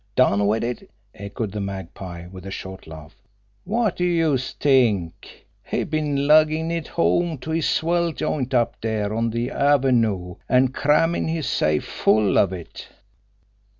"Done wid it!" echoed the Magpie, with a short laugh. "Wot do youse t'ink! He's been luggin' it home to his swell joint up dere on de avenoo, an' crammin' his safe full of it."